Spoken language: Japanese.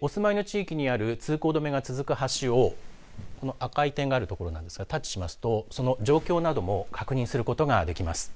お住まいの地域にある通行止めが続く橋をこの赤い点があるところですがタッチしますとその状況を確認することができます。